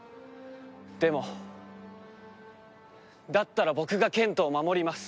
でもだったら僕が賢人を守ります。